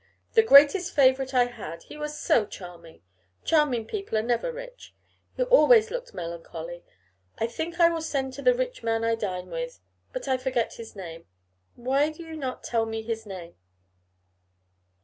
The greatest favourite I had: he was so charming! Charming people are never rich; he always looked melancholy. I think I will send to the rich man I dine with; but I forget his name. Why do not you tell me his name?